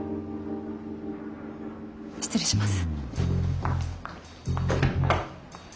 失礼します。